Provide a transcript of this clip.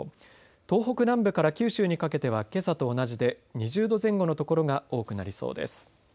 東北南部から九州にかけてはけさと同じで２０度前後の所が多くなりそうです。